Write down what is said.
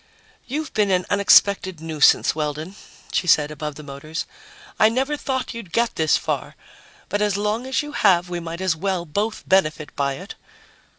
"You've been an unexpected nuisance, Weldon," she said above the motors. "I never thought you'd get this far. But as long as you have, we might as well both benefit by it."